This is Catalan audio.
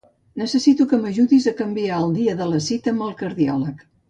Necessito que m'ajudis a canviar el dia de la cita amb el cardiòleg.